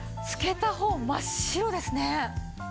つけた方真っ白ですね。